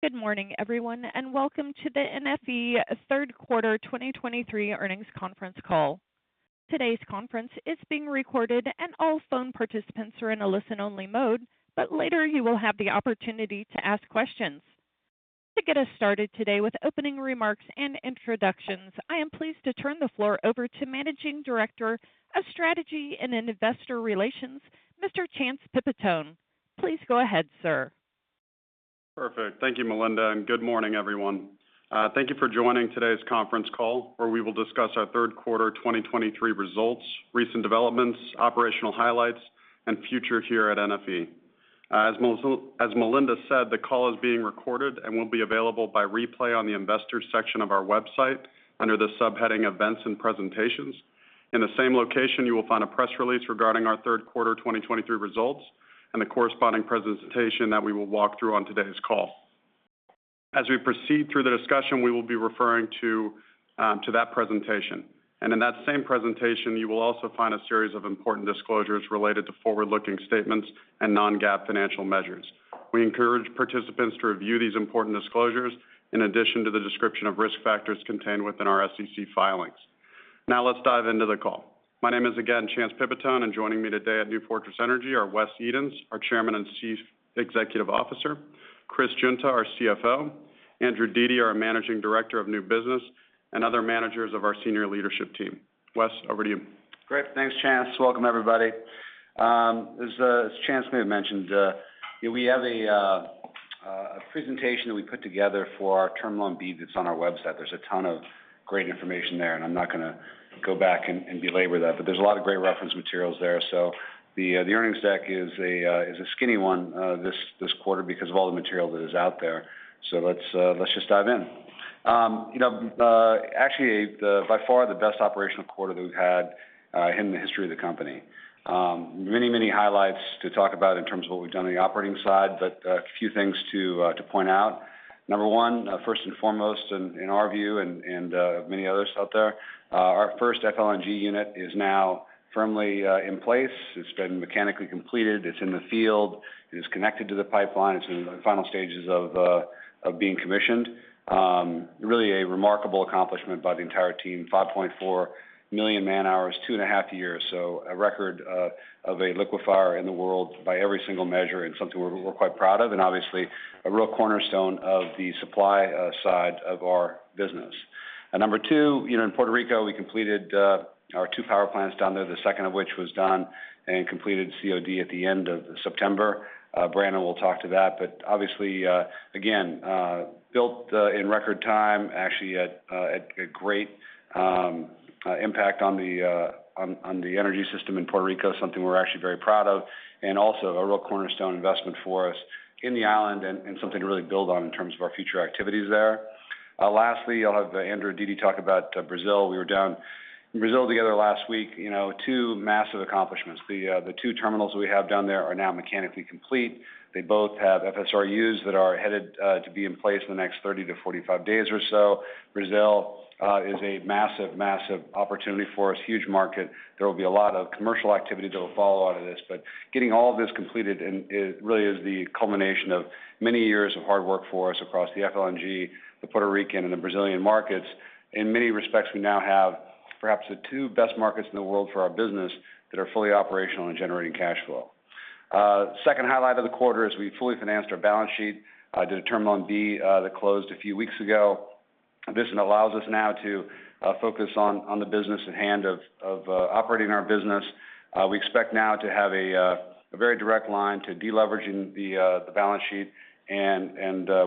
Good morning, everyone, and welcome to the NFE Third Quarter 2023 Earnings Conference Call. Today's conference is being recorded, and all phone participants are in a listen-only mode, but later you will have the opportunity to ask questions. To get us started today with opening remarks and introductions, I am pleased to turn the floor over to Managing Director of Strategy and Investor Relations, Mr. Chance Pipitone. Please go ahead, sir. Perfect. Thank you, Melinda, and good morning, everyone. Thank you for joining today's conference call, where we will discuss our third quarter 2023 results, recent developments, operational highlights, and future here at NFE. As Melinda said, the call is being recorded and will be available by replay on the investors section of our website under the subheading Events and Presentations. In the same location, you will find a press release regarding our third quarter 2023 results and the corresponding presentation that we will walk through on today's call. As we proceed through the discussion, we will be referring to that presentation. And in that same presentation, you will also find a series of important disclosures related to forward-looking statements and non-GAAP financial measures. We encourage participants to review these important disclosures in addition to the description of risk factors contained within our SEC filings. Now, let's dive into the call. My name is, again, Chance Pipitone, and joining me today at New Fortress Energy are Wes Edens, our Chairman and Chief Executive Officer, Chris Guinta, our CFO, Andrew Dete, our Managing Director of New Business, and other managers of our senior leadership team. Wes, over to you. Great. Thanks, Chance. Welcome, everybody. As Chance may have mentioned, we have a presentation that we put together for our Terminal B that's on our website. There's a ton of great information there, and I'm not going to go back and belabor that, but there's a lot of great reference materials there. So the earnings deck is a skinny one this quarter because of all the material that is out there. So let's just dive in. You know, actually, by far the best operational quarter that we've had in the history of the company. Many, many highlights to talk about in terms of what we've done on the operating side, but a few things to point out. Number one, first and foremost, in our view and many others out there, our first FLNG unit is now firmly in place. It's been mechanically completed. It's in the field. It is connected to the pipeline. It's in the final stages of being commissioned. Really a remarkable accomplishment by the entire team, 5.4 million man-hours, two and a half years. So a record of a liquefier in the world by every single measure and something we're quite proud of, and obviously, a real cornerstone of the supply side of our business. Number two, you know, in Puerto Rico, we completed our two power plants down there, the second of which was done and completed COD at the end of September. Brannen will talk to that, but obviously, again, built in record time, actually, at a great impact on the energy system in Puerto Rico, something we're actually very proud of, and also a real cornerstone investment for us in the island and something to really build on in terms of our future activities there. Lastly, I'll have Andrew Dete talk about Brazil. We were down in Brazil together last week, you know, two massive accomplishments. The two terminals we have down there are now mechanically complete. They both have FSRUs that are headed to be in place in the next 30-45 days or so. Brazil is a massive, massive opportunity for us, huge market. There will be a lot of commercial activity that will follow out of this, but getting all of this completed and it really is the culmination of many years of hard work for us across the FLNG, the Puerto Rican, and the Brazilian markets. In many respects, we now have perhaps the two best markets in the world for our business that are fully operational and generating cash flow. Second highlight of the quarter is we fully financed our balance sheet to the Terminal B that closed a few weeks ago. This allows us now to focus on the business at hand of operating our business. We expect now to have a very direct line to deleveraging the balance sheet and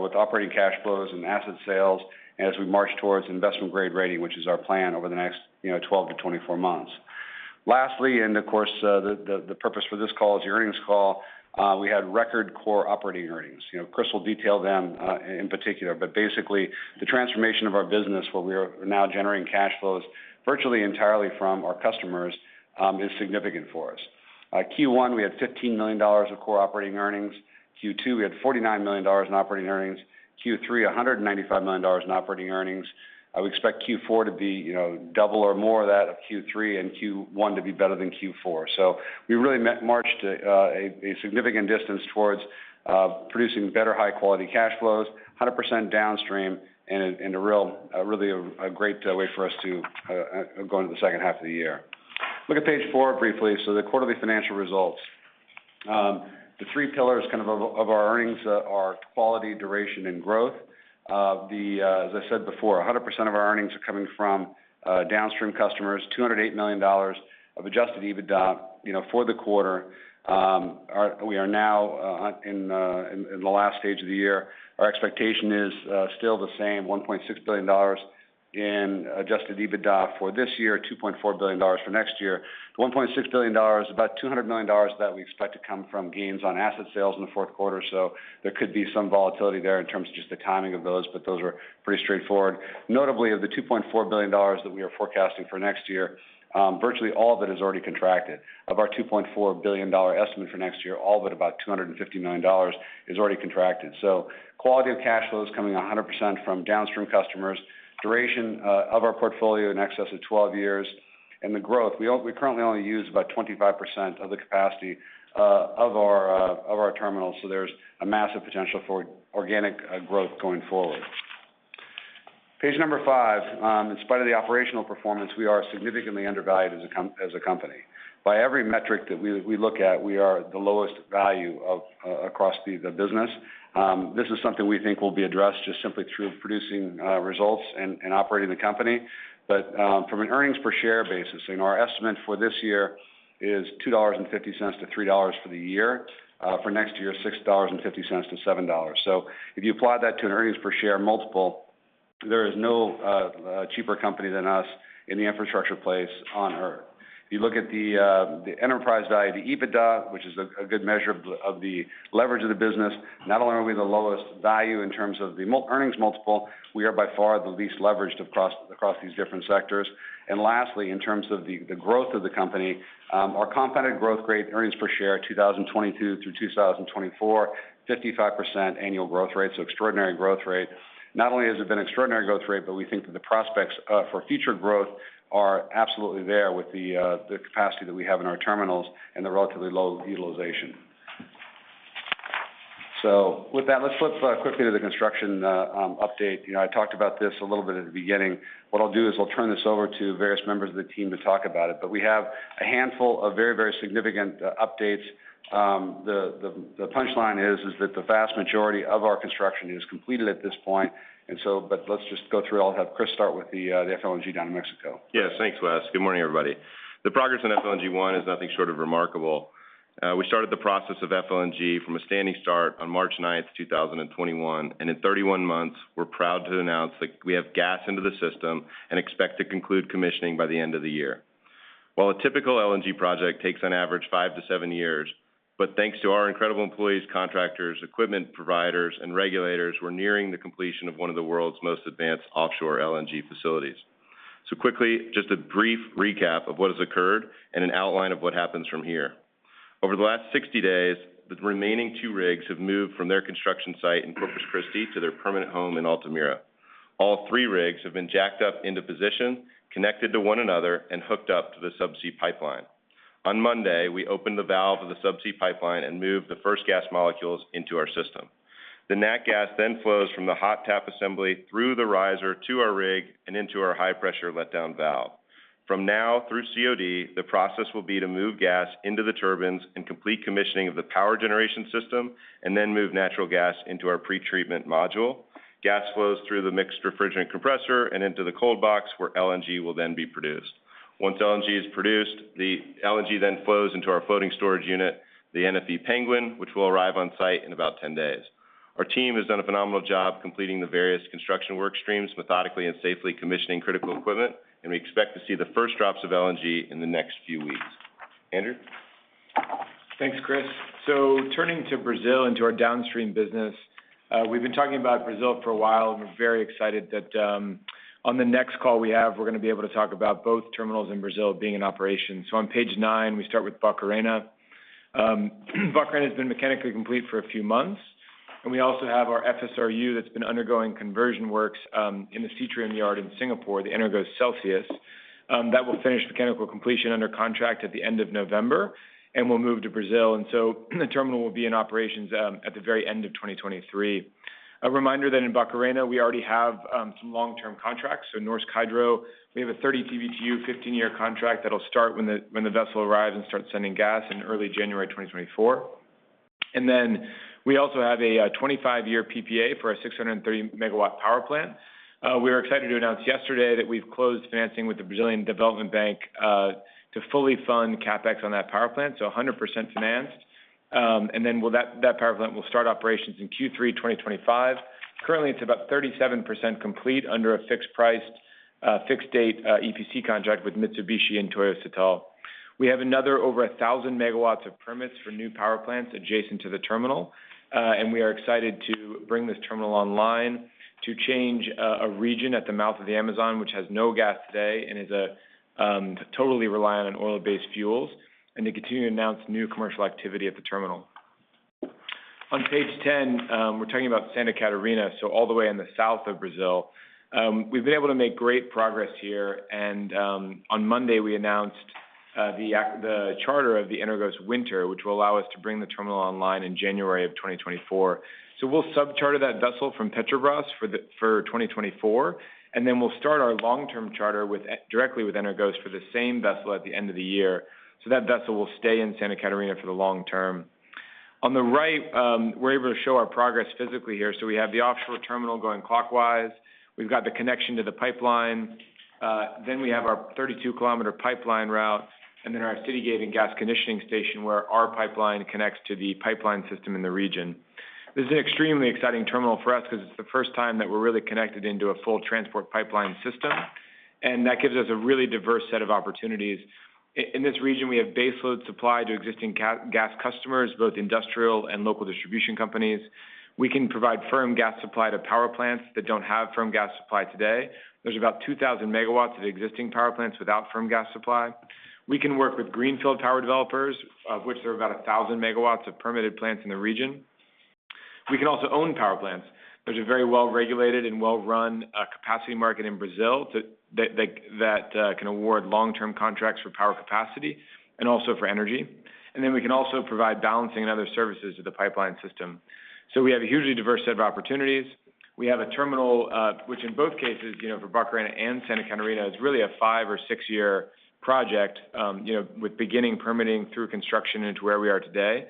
with operating cash flows and asset sales as we march towards investment-grade rating, which is our plan over the next, you know, 12-24 months. Lastly, and of course, the purpose for this call is the earnings call. We had record core operating earnings. You know, Chris will detail them in particular, but basically, the transformation of our business, where we are now generating cash flows virtually entirely from our customers, is significant for us. Q1, we had $15 million of core operating earnings. Q2, we had $49 million in operating earnings. Q3, $195 million in operating earnings. We expect Q4 to be, you know, double or more of that of Q3 and Q1 to be better than Q4. So we really marched a significant distance towards producing better high-quality cash flows, 100% downstream, and really a great way for us to go into the second half of the year. Look at page 4 briefly, so the quarterly financial results. The three pillars kind of our earnings are quality, duration, and growth. As I said before, 100% of our earnings are coming from downstream customers, $208 million of adjusted EBITDA, you know, for the quarter. We are now in the last stage of the year. Our expectation is still the same, $1.6 billion in Adjusted EBITDA for this year, $2.4 billion for next year. The $1.6 billion, about $200 million that we expect to come from gains on asset sales in the fourth quarter. So there could be some volatility there in terms of just the timing of those, but those are pretty straightforward. Notably, of the $2.4 billion that we are forecasting for next year, virtually all of it is already contracted. Of our $2.4 billion estimate for next year, all but about $250 million is already contracted. So quality of cash flow is coming 100% from downstream customers. Duration of our portfolio in excess of 12 years. And the growth, we currently only use about 25% of the capacity of our terminals, so there's a massive potential for organic growth going forward. Page number 5. In spite of the operational performance, we are significantly undervalued as a company. By every metric that we look at, we are the lowest valued across the business. This is something we think will be addressed just simply through producing results and operating the company. But from an earnings per share basis, and our estimate for this year is $2.50-$3.00 for the year. For next year, $6.50-$7.00. So if you apply that to an earnings per share multiple, there is no cheaper company than us in the infrastructure place on Earth. If you look at the enterprise value, the EBITDA, which is a good measure of the leverage of the business, not only are we the lowest value in terms of the multiple, we are by far the least leveraged across these different sectors. And lastly, in terms of the growth of the company, our compounded growth rate, earnings per share, 2022 through 2024, 55% annual growth rate. Extraordinary growth rate. Not only has it been extraordinary growth rate, but we think that the prospects for future growth are absolutely there with the capacity that we have in our terminals and the relatively low utilization. So with that, let's flip quickly to the construction update. You know, I talked about this a little bit at the beginning. What I'll do is I'll turn this over to various members of the team to talk about it, but we have a handful of very, very significant updates. The punchline is that the vast majority of our construction is completed at this point, and so, but let's just go through. I'll have Chris start with the FLNG down in Mexico. Yes. Thanks, Wes. Good morning, everybody. The progress on FLNG 1 is nothing short of remarkable. We started the process of FLNG from a standing start on March 9, 2021, and in 31 months, we're proud to announce that we have gas into the system and expect to conclude commissioning by the end of the year. While a typical LNG project takes on average 5-7 years, but thanks to our incredible employees, contractors, equipment providers, and regulators, we're nearing the completion of one of the world's most advanced offshore LNG facilities. Quickly, just a brief recap of what has occurred and an outline of what happens from here. Over the last 60 days, the remaining 2 rigs have moved from their construction site in Corpus Christi to their permanent home in Altamira. All three rigs have been jacked up into position, connected to one another, and hooked up to the subsea pipeline. On Monday, we opened the valve of the subsea pipeline and moved the first gas molecules into our system. The nat gas then flows from the hot tap assembly through the riser to our rig and into our high-pressure letdown valve. From now through COD, the process will be to move gas into the turbines and complete commissioning of the power generation system, and then move natural gas into our pretreatment module. Gas flows through the mixed refrigerant compressor and into the cold box, where LNG will then be produced. Once LNG is produced, the LNG then flows into our floating storage unit, the NFE Penguin, which will arrive on site in about 10 days. Our team has done a phenomenal job completing the various construction work streams, methodically and safely commissioning critical equipment, and we expect to see the first drops of LNG in the next few weeks. Andrew? Thanks, Chris. So turning to Brazil and to our downstream business, we've been talking about Brazil for a while, and we're very excited that on the next call we have, we're gonna be able to talk about both terminals in Brazil being in operation. So on page nine, we start with Barcarena. Barcarena has been mechanically complete for a few months, and we also have our FSRU that's been undergoing conversion works in the Seatrium yard in Singapore, the Energos Celsius. That will finish mechanical completion under contract at the end of November and will move to Brazil, and so the terminal will be in operations at the very end of 2023. A reminder that in Barcarena, we already have some long-term contracts. So Norsk Hydro, we have a 30 TBtu, 15-year contract that'll start when the vessel arrives and starts sending gas in early January 2024. And then we also have a 25-year PPA for our 630-megawatt power plant. We were excited to announce yesterday that we've closed financing with the Brazilian Development Bank to fully fund CapEx on that power plant, so 100% financed. And then, well, that power plant will start operations in Q3 2025. Currently, it's about 37% complete under a fixed-price, fixed-date EPC contract with Mitsubishi and Toyo Setal. We have another over 1,000 megawatts of permits for new power plants adjacent to the terminal, and we are excited to bring this terminal online to change a region at the mouth of the Amazon, which has no gas today and is totally reliant on oil-based fuels, and to continue to announce new commercial activity at the terminal. On page 10, we're talking about Santa Catarina, so all the way in the south of Brazil. We've been able to make great progress here, and on Monday, we announced the charter of the Energos Winter, which will allow us to bring the terminal online in January of 2024. We'll subcharter that vessel from Petrobras for 2024, and then we'll start our long-term charter with directly with Energos for the same vessel at the end of the year. That vessel will stay in Santa Catarina for the long term. On the right, we're able to show our progress physically here. We have the offshore terminal going clockwise. We've got the connection to the pipeline, then we have our 32-kilometer pipeline route, and then our city gate and gas conditioning station, where our pipeline connects to the pipeline system in the region. This is an extremely exciting terminal for us because it's the first time that we're really connected into a full transport pipeline system, and that gives us a really diverse set of opportunities. In this region, we have baseload supply to existing gas customers, both industrial and local distribution companies. We can provide firm gas supply to power plants that don't have firm gas supply today. There's about 2,000 megawatts of existing power plants without firm gas supply. We can work with greenfield power developers, of which there are about 1,000 megawatts of permitted plants in the region.... We can also own power plants. There's a very well-regulated and well-run capacity market in Brazil that can award long-term contracts for power capacity and also for energy. And then we can also provide balancing and other services to the pipeline system. So we have a hugely diverse set of opportunities. We have a terminal, which in both cases, you know, for Barcarena and Santa Catarina, is really a 5- or 6-year project, you know, with beginning permitting through construction into where we are today.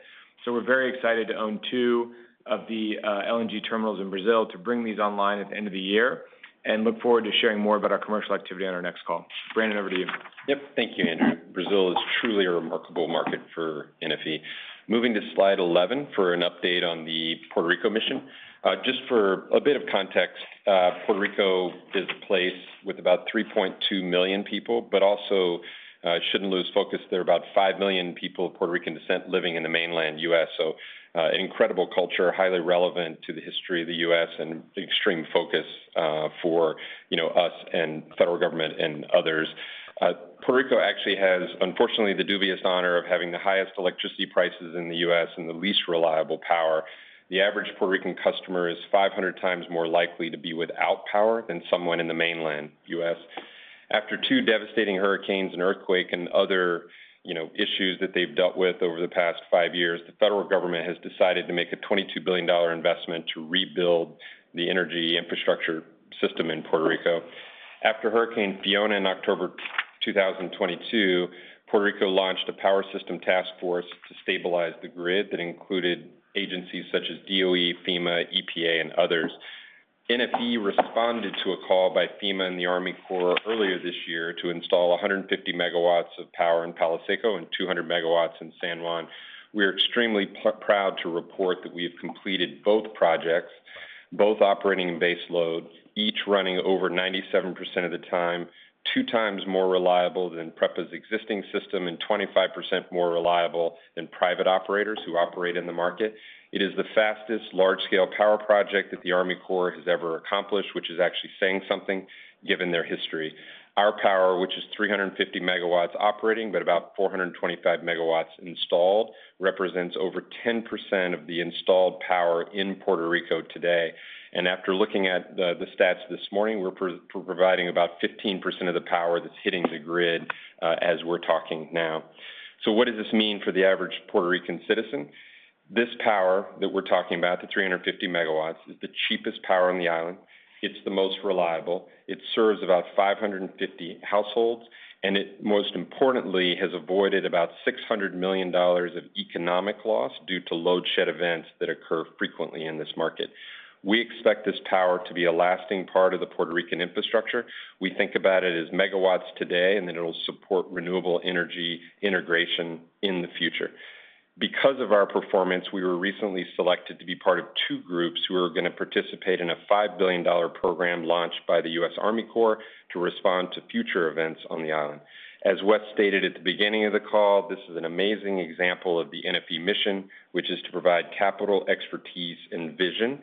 So we're very excited to own two of the LNG terminals in Brazil to bring these online at the end of the year, and look forward to sharing more about our commercial activity on our next call. Brannen, over to you. Yep. Thank you, Andrew. Brazil is truly a remarkable market for NFE. Moving to slide 11 for an update on the Puerto Rico mission. Just for a bit of context, Puerto Rico is a place with about 3.2 million people, but also, shouldn't lose focus, there are about 5 million people of Puerto Rican descent living in the mainland U.S. So, an incredible culture, highly relevant to the history of the U.S. and extreme focus, for, you know, us and federal government and others. Puerto Rico actually has, unfortunately, the dubious honor of having the highest electricity prices in the U.S. and the least reliable power. The average Puerto Rican customer is 500 times more likely to be without power than someone in the mainland U.S. After 2 devastating hurricanes, an earthquake, and other, you know, issues that they've dealt with over the past 5 years, the federal government has decided to make a $22 billion investment to rebuild the energy infrastructure system in Puerto Rico. After Hurricane Fiona in October 2022, Puerto Rico launched a power system task force to stabilize the grid that included agencies such as DOE, FEMA, EPA, and others. NFE responded to a call by FEMA and the Army Corps earlier this year to install 150 megawatts of power in Palo Seco and 200 megawatts in San Juan. We are extremely proud to report that we have completed both projects, both operating in base load, each running over 97% of the time, 2 times more reliable than PREPA's existing system, and 25% more reliable than private operators who operate in the market. It is the fastest large-scale power project that the Army Corps has ever accomplished, which is actually saying something given their history. Our power, which is 350 megawatts operating, but about 425 megawatts installed, represents over 10% of the installed power in Puerto Rico today. And after looking at the stats this morning, we're providing about 15% of the power that's hitting the grid, as we're talking now. So what does this mean for the average Puerto Rican citizen? This power that we're talking about, the 350 megawatts, is the cheapest power on the island. It's the most reliable. It serves about 550 households, and it, most importantly, has avoided about $600 million of economic loss due to load shed events that occur frequently in this market. We expect this power to be a lasting part of the Puerto Rican infrastructure. We think about it as megawatts today, and then it'll support renewable energy integration in the future. Because of our performance, we were recently selected to be part of two groups who are gonna participate in a $5 billion program launched by the U.S. Army Corps of Engineers to respond to future events on the island. As Wes stated at the beginning of the call, this is an amazing example of the NFE mission, which is to provide capital, expertise, and vision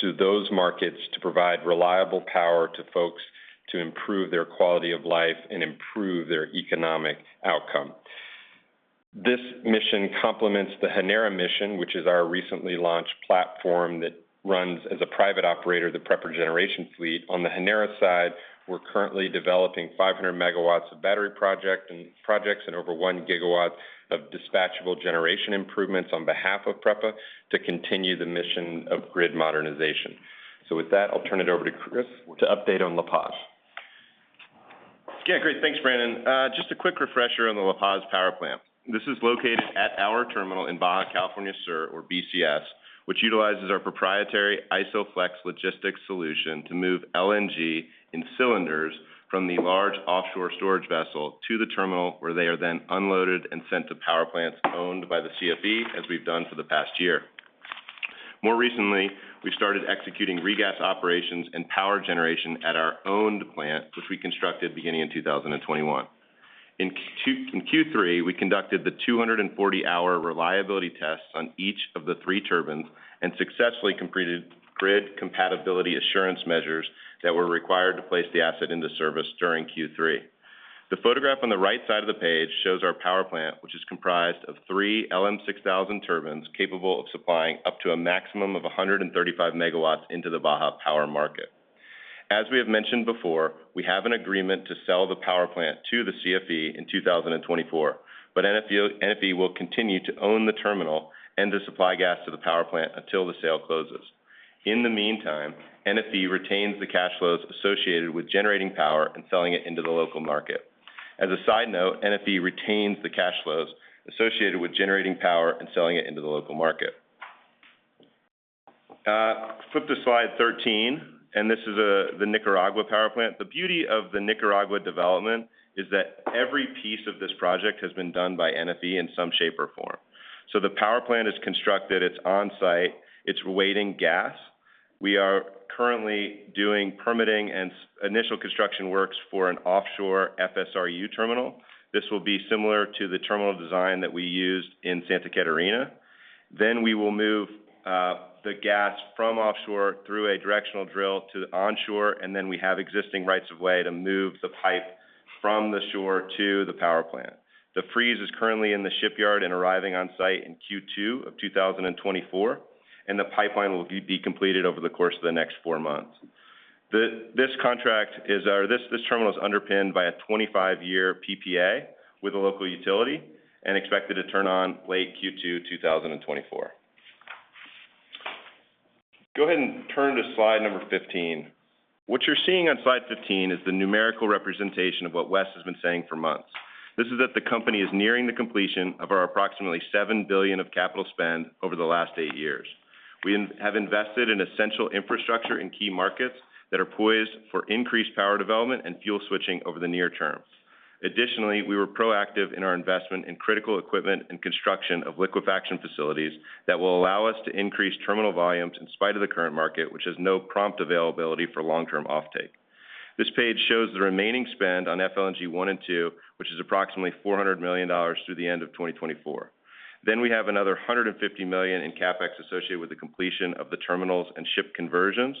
to those markets to provide reliable power to folks, to improve their quality of life and improve their economic outcome. This mission complements the Genera mission, which is our recently launched platform that runs as a private operator of the PREPA generation fleet. On the Genera side, we're currently developing 500 megawatts of battery projects and over 1 gigawatt of dispatchable generation improvements on behalf of PREPA to continue the mission of grid modernization. With that, I'll turn it over to Chris to update on La Paz. Yeah, great, thanks, Brannen. Just a quick refresher on the La Paz power plant. This is located at our terminal in Baja California Sur, or BCS, which utilizes our proprietary ISOFlex logistics solution to move LNG in cylinders from the large offshore storage vessel to the terminal, where they are then unloaded and sent to power plants owned by the CFE, as we've done for the past year. More recently, we started executing regas operations and power generation at our owned plant, which we constructed beginning in 2021. In Q3, we conducted the 240-hour reliability tests on each of the three turbines and successfully completed grid compatibility assurance measures that were required to place the asset into service during Q3. The photograph on the right side of the page shows our power plant, which is comprised of three LM-6000 turbines, capable of supplying up to a maximum of 135 megawatts into the Baja power market. As we have mentioned before, we have an agreement to sell the power plant to the CFE in 2024, but NFE, NFE will continue to own the terminal and to supply gas to the power plant until the sale closes. In the meantime, NFE retains the cash flows associated with generating power and selling it into the local market. As a side note, NFE retains the cash flows associated with generating power and selling it into the local market. Flip to slide 13, and this is the Nicaragua power plant. The beauty of the Nicaragua development is that every piece of this project has been done by NFE in some shape or form. The power plant is constructed, it's on-site, it's awaiting gas. We are currently doing permitting and initial construction works for an offshore FSRU terminal. This will be similar to the terminal design that we used in Santa Catarina. Then we will move the gas from offshore through a directional drill to onshore, and then we have existing rights of way to move the pipe from the shore to the power plant. The FSRU is currently in the shipyard and arriving on site in Q2 of 2024, and the pipeline will be completed over the course of the next 4 months. This contract is our This terminal is underpinned by a 25-year PPA with a local utility and expected to turn on late Q2 2024. Go ahead and turn to slide number 15. What you're seeing on slide 15 is the numerical representation of what Wes has been saying for months. This is that the company is nearing the completion of our approximately $7 billion of capital spend over the last 8 years. We have invested in essential infrastructure in key markets that are poised for increased power development and fuel switching over the near term. Additionally, we were proactive in our investment in critical equipment and construction of liquefaction facilities that will allow us to increase terminal volumes in spite of the current market, which has no prompt availability for long-term offtake. This page shows the remaining spend on FLNG 1 and 2, which is approximately $400 million through the end of 2024. Then we have another $150 million in CapEx associated with the completion of the terminals and ship conversions.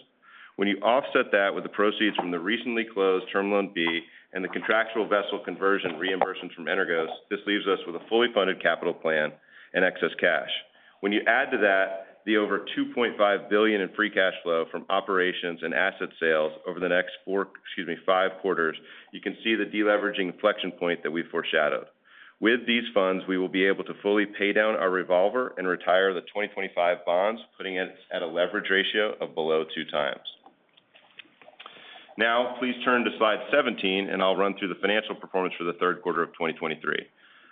When you offset that with the proceeds from the recently closed Terminal B and the contractual vessel conversion reimbursements from Energos, this leaves us with a fully funded capital plan and excess cash. When you add to that, the over $2.5 billion in free cash flow from operations and asset sales over the next four, excuse me, five quarters, you can see the deleveraging inflection point that we foreshadowed. With these funds, we will be able to fully pay down our revolver and retire the 2025 bonds, putting us at a leverage ratio of below 2x. Now, please turn to slide 17, and I'll run through the financial performance for the third quarter of 2023.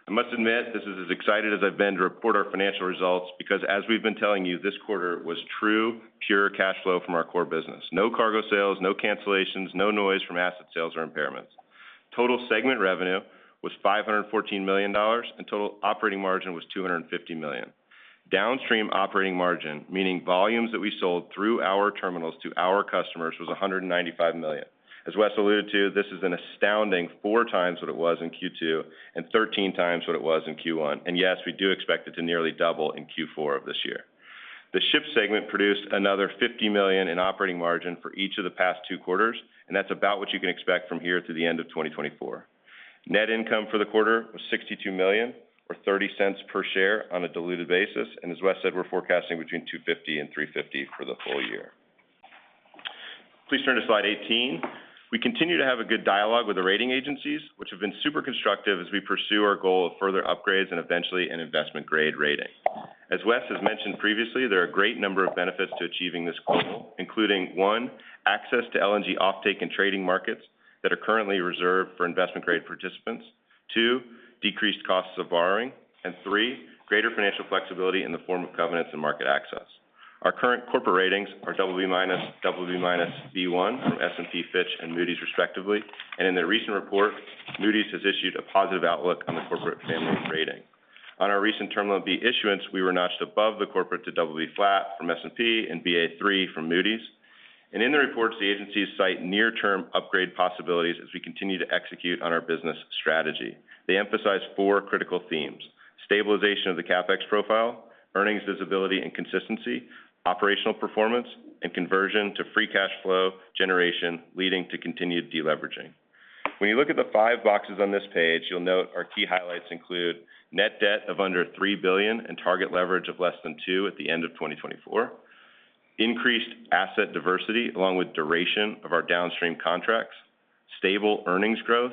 I must admit, this is as excited as I've been to report our financial results, because as we've been telling you, this quarter was true, pure cash flow from our core business. No cargo sales, no cancellations, no noise from asset sales or impairments. Total segment revenue was $514 million, and total operating margin was $250 million. Downstream operating margin, meaning volumes that we sold through our terminals to our customers, was $195 million. As Wes alluded to, this is an astounding 4 times what it was in Q2 and 13 times what it was in Q1. And yes, we do expect it to nearly double in Q4 of this year. The ship segment produced another $50 million in operating margin for each of the past 2 quarters, and that's about what you can expect from here to the end of 2024. Net income for the quarter was $62 million or $0.30 per share on a diluted basis, and as Wes said, we're forecasting between $250 million and $350 million for the full year. Please turn to slide 18. We continue to have a good dialogue with the rating agencies, which have been super constructive as we pursue our goal of further upgrades and eventually an Investment Grade rating. As Wes has mentioned previously, there are a great number of benefits to achieving this goal, including, one, access to LNG offtake and trading markets that are currently reserved for Investment Grade participants. Two, decreased costs of borrowing. And three, greater financial flexibility in the form of covenants and market access. Our current corporate ratings are BB-, BB-, B1 from S&P, Fitch, and Moody's, respectively. In their recent report, Moody's has issued a positive outlook on the corporate family rating. On our recent Terminal B issuance, we were notched above the corporate to BB from S&P and Ba3 from Moody's. In the reports, the agencies cite near-term upgrade possibilities as we continue to execute on our business strategy. They emphasize four critical themes: stabilization of the CapEx profile, earnings visibility and consistency, operational performance, and conversion to free cash flow generation, leading to continued deleveraging. When you look at the 5 boxes on this page, you'll note our key highlights include net debt of under $3 billion and target leverage of less than 2 at the end of 2024. Increased asset diversity, along with duration of our downstream contracts, stable earnings growth.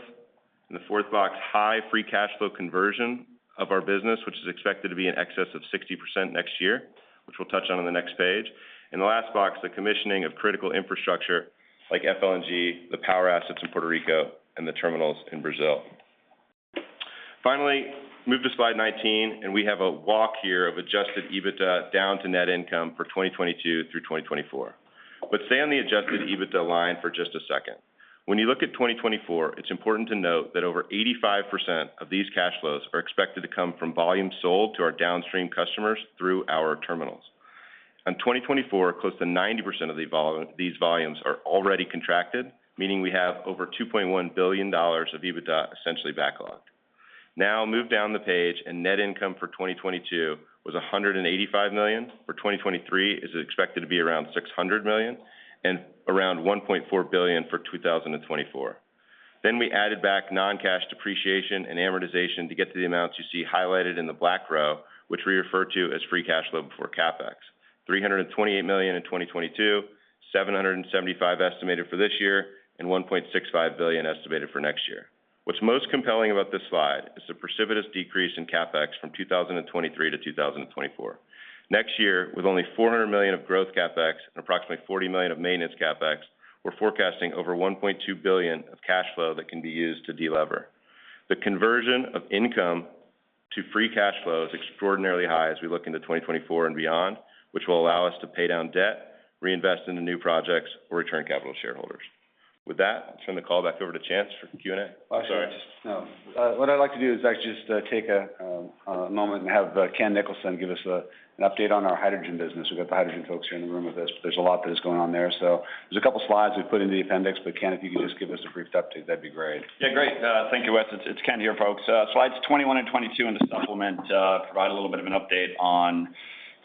In the fourth box, high free cash flow conversion of our business, which is expected to be in excess of 60% next year, which we'll touch on in the next page. In the last box, the commissioning of critical infrastructure like FLNG, the power assets in Puerto Rico, and the terminals in Brazil. Finally, move to slide 19, and we have a walk here of Adjusted EBITDA down to net income for 2022 through 2024. Let's stay on the Adjusted EBITDA line for just a second. When you look at 2024, it's important to note that over 85% of these cash flows are expected to come from volumes sold to our downstream customers through our terminals. On 2024, close to 90% of the vol-- these volumes are already contracted, meaning we have over $2.1 billion of EBITDA, essentially backlogged. Now, move down the page, and net income for 2022 was $185 million. For 2023, it is expected to be around $600 million and around $1.4 billion for 2024. Then we added back non-cash depreciation and amortization to get to the amounts you see highlighted in the black row, which we refer to as free cash flow before CapEx. $328 million in 2022, $775 million estimated for this year, and $1.65 billion estimated for next year. What's most compelling about this slide is the precipitous decrease in CapEx from 2023 to 2024. Next year, with only $400 million of growth CapEx and approximately $40 million of maintenance CapEx, we're forecasting over $1.2 billion of cash flow that can be used to delever. The conversion of income to free cash flow is extraordinarily high as we look into 2024 and beyond, which will allow us to pay down debt, reinvest into new projects, or return capital to shareholders. With that, I'll turn the call back over to Chance for Q&A. Sorry. What I'd like to do is actually just take a moment and have Ken Nicholson give us an update on our hydrogen business. We've got the hydrogen folks here in the room with us. There's a lot that is going on there. So there's a couple of slides we put in the appendix, but Ken, if you could just give us a brief update, that'd be great. Yeah, great. Thank you, Wes. It's Ken here, folks. Slides 21 and 22 in the supplement provide a little bit of an update on- the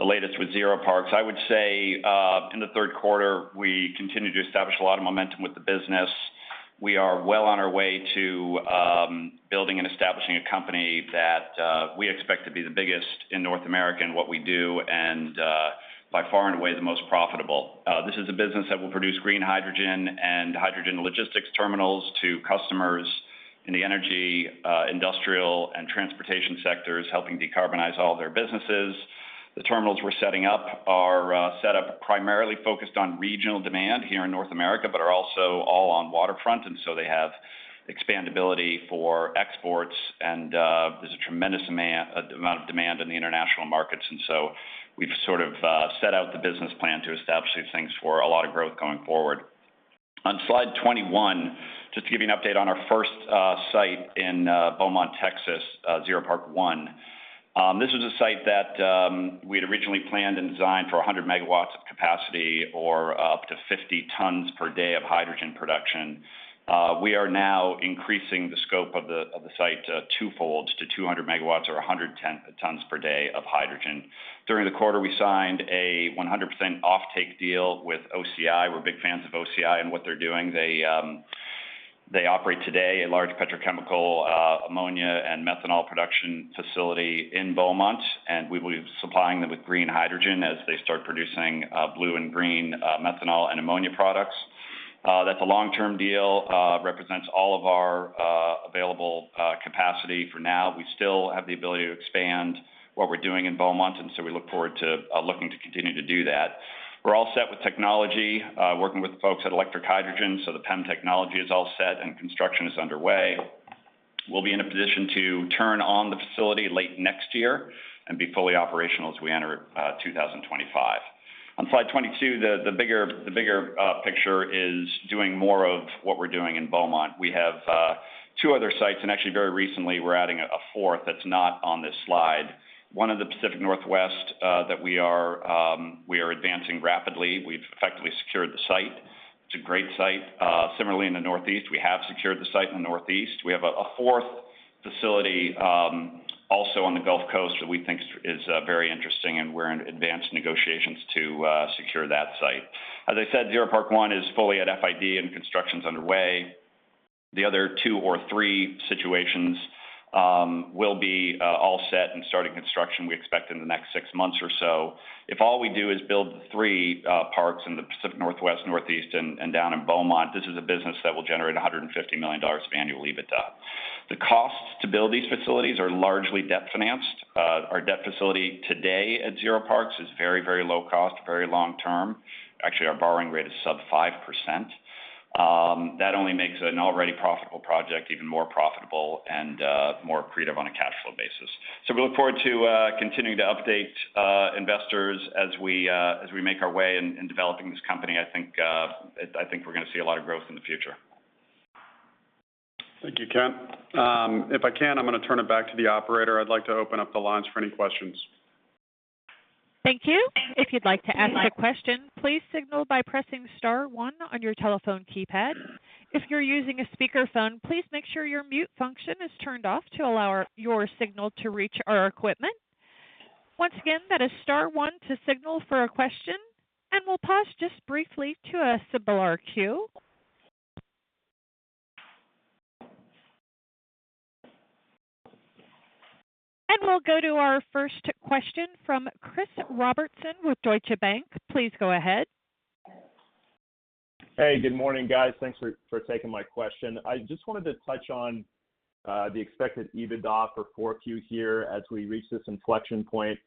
latest with ZeroParks. I would say, in the third quarter, we continued to establish a lot of momentum with the business. We are well on our way to, building and establishing a company that, we expect to be the biggest in North America in what we do, and, by far and away, the most profitable. This is a business that will produce Green Hydrogen and hydrogen logistics terminals to customers in the energy, industrial, and transportation sectors, helping decarbonize all their businesses. The terminals we're setting up are set up primarily focused on regional demand here in North America, but are also all on waterfront, and so they have expandability for exports, and, there's a tremendous amount of demand in the international markets. We've sort of set out the business plan to establish these things for a lot of growth going forward. On slide 21, just to give you an update on our first site in Beaumont, Texas, ZeroPark 1. This is a site that we had originally planned and designed for 100 megawatts of capacity or up to 50 tons per day of hydrogen production. We are now increasing the scope of the site twofold to 200 megawatts or 110 tons per day of hydrogen. During the quarter, we signed a 100% off-take deal with OCI. We're big fans of OCI and what they're doing. They, they operate today a large petrochemical, ammonia and methanol production facility in Beaumont, and we will be supplying them with green hydrogen as they start producing, blue and green, methanol and ammonia products. That's a long-term deal, represents all of our available capacity for now. We still have the ability to expand what we're doing in Beaumont, and so we look forward to looking to continue to do that. We're all set with technology, working with the folks at Electric Hydrogen, so the PEM technology is all set and construction is underway. We'll be in a position to turn on the facility late next year and be fully operational as we enter 2025. On slide 22, the bigger picture is doing more of what we're doing in Beaumont. We have two other sites, and actually, very recently, we're adding a fourth that's not on this slide. One in the Pacific Northwest, that we are advancing rapidly. We've effectively secured the site. It's a great site. Similarly, in the Northeast, we have secured the site in the Northeast. We have a fourth facility, also on the Gulf Coast that we think is very interesting, and we're in advanced negotiations to secure that site. As I said, ZeroPark 1 is fully at FID, and construction's underway. The other two or three situations, will be all set and starting construction, we expect in the next six months or so. If all we do is build three parks in the Pacific Northwest, Northeast and down in Beaumont, this is a business that will generate $150 million of annual EBITDA. The costs to build these facilities are largely debt-financed. Our debt facility today at ZeroParks is very, very low cost, very long term. Actually, our borrowing rate is sub 5%. That only makes an already profitable project even more profitable and more accretive on a cash flow basis. So we look forward to continuing to update investors as we make our way in developing this company. I think we're gonna see a lot of growth in the future. Thank you, Ken. If I can, I'm gonna turn it back to the operator. I'd like to open up the lines for any questions. Thank you. If you'd like to ask a question, please signal by pressing star one on your telephone keypad. If you're using a speakerphone, please make sure your mute function is turned off to allow our-your signal to reach our equipment. Once again, that is star one to signal for a question, and we'll pause just briefly to assemble our queue. And we'll go to our first question from Chris Robertson with Deutsche Bank. Please go ahead. Hey, good morning, guys. Thanks for taking my question. I just wanted to touch on the expected EBITDA for Q4 here as we reach this inflection point.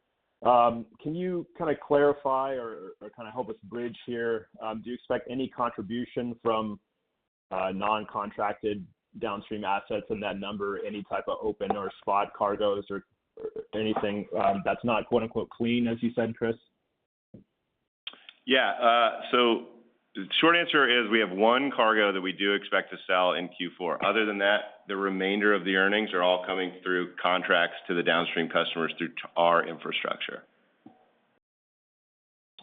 Can you kind of clarify or kind of help us bridge here? Do you expect any contribution from non-contracted downstream assets in that number, any type of open or spot cargoes or anything that's not, quote, unquote, "clean," as you said, Chris? Yeah, so the short answer is we have one cargo that we do expect to sell in Q4. Other than that, the remainder of the earnings are all coming through contracts to the downstream customers, through our infrastructure.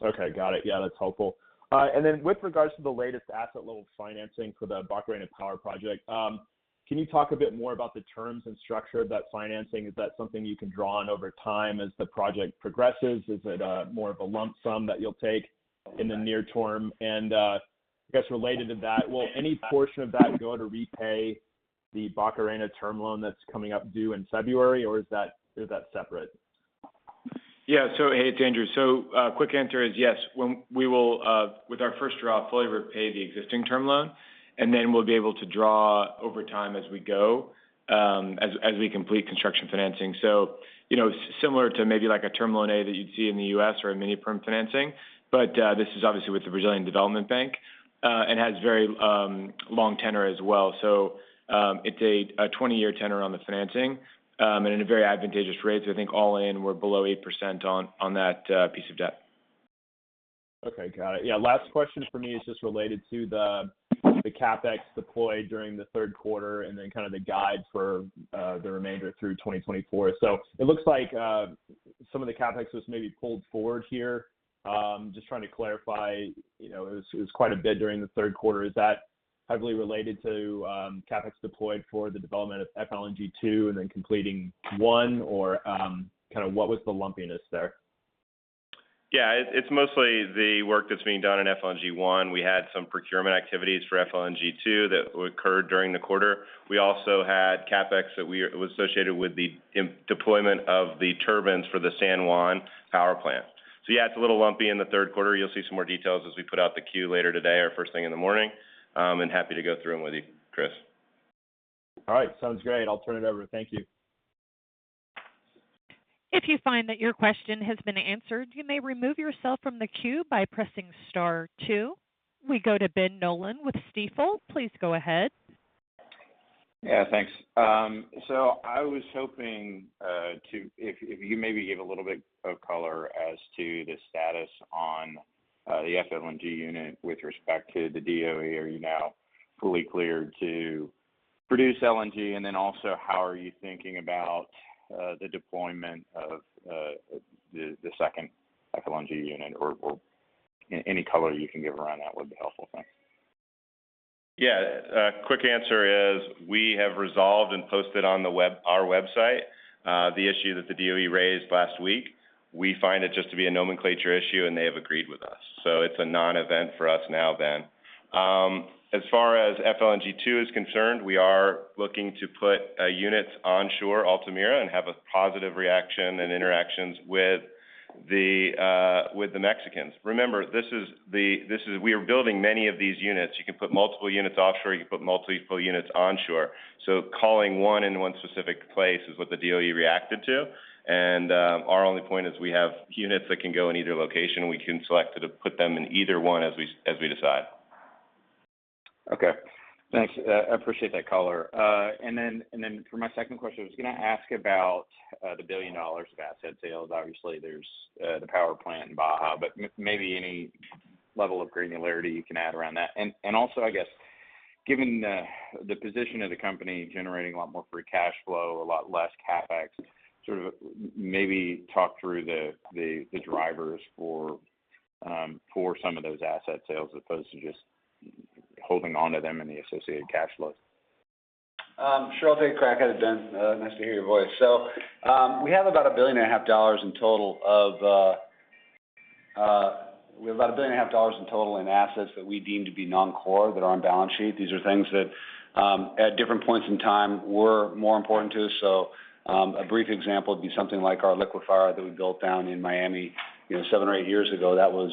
Okay, got it. Yeah, that's helpful. And then with regards to the latest asset level financing for the Barcarena Power project, can you talk a bit more about the terms and structure of that financing? Is that something you can draw on over time as the project progresses? Is it more of a lump sum that you'll take in the near term? And, I guess related to that, will any portion of that go to repay the Barcarena term loan that's coming up due in February, or is that separate? Yeah. So hey, it's Andrew. So, quick answer is yes. When we will, with our first draw, fully repay the existing term loan, and then we'll be able to draw over time as we go, as we complete construction financing. So you know, similar to maybe like a term loan A that you'd see in the U.S. or a mini-perm financing. But, this is obviously with the Brazilian Development Bank, and has very long tenor as well. So, it's a 20-year tenor on the financing, and at a very advantageous rate. So I think all in, we're below 8% on that piece of debt. Okay, got it. Yeah. Last question for me is just related to the CapEx deployed during the third quarter and then kind of the guide for the remainder through 2024. So it looks like some of the CapEx was maybe pulled forward here. Just trying to clarify, you know, it was quite a bit during the third quarter. Is that heavily related to CapEx deployed for the development of FLNG 2 and then completing one, or kind of what was the lumpiness there? Yeah, it's mostly the work that's being done in FLNG 1. We had some procurement activities for FLNG 2 that occurred during the quarter. We also had CapEx that—it was associated with the imminent deployment of the turbines for the San Juan Power Plant. So yeah, it's a little lumpy in the third quarter. You'll see some more details as we put out the Q later today or first thing in the morning. And happy to go through them with you, Chris. All right. Sounds great. I'll turn it over. Thank you. If you find that your question has been answered, you may remove yourself from the queue by pressing star two. We go to Ben Nolan with Stifel. Please go ahead. Yeah, thanks. So I was hoping, if you maybe give a little bit of color as to the status on the FLNG unit with respect to the DOE. Are you now fully cleared to produce LNG? And then also, how are you thinking about the deployment of the second FLNG unit or any color you can give around that would be helpful, thanks. Yeah. A quick answer is, we have resolved and posted on our website the issue that the DOE raised last week. We find it just to be a nomenclature issue, and they have agreed with us. So it's a non-event for us now, Ben. As far as FLNG 2 is concerned, we are looking to put units onshore Altamira and have a positive reaction and interactions with the Mexicans. Remember, this is. We are building many of these units. You can put multiple units offshore, you can put multiple units onshore. So calling one in one specific place is what the DOE reacted to. And our only point is we have units that can go in either location. We can select to put them in either one as we decide. Okay. Thanks. I appreciate that color. And then for my second question, I was gonna ask about the $1 billion of asset sales. Obviously, there's the power plant in Baja, but maybe any level of granularity you can add around that. And also, I guess, given the position of the company generating a lot more free cash flow, a lot less CapEx, sort of maybe talk through the drivers for some of those asset sales, as opposed to just holding on to them and the associated cash flows. Sure, I'll take a crack at it, Ben. Nice to hear your voice. So, we have about $1.5 billion in total in assets that we deem to be non-core, that are on balance sheet. These are things that at different points in time were more important to us. So, a brief example would be something like our liquefier that we built down in Miami, you know, seven or eight years ago. That was